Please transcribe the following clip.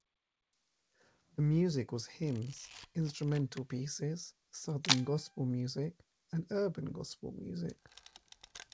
The music was hymns, instrumental pieces, southern gospel music, and urban gospel music.